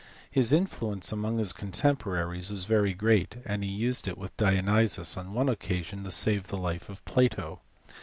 His influence among his contemporaries was very great, and he used it with Dionysius on one occasion to save the life of Plato.